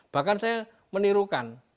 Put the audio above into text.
bahkan saya menirukan